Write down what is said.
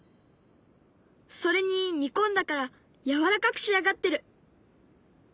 それに煮込んだからやわらかく仕上がってる。